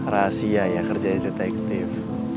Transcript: rahasia ya kerjanya detektif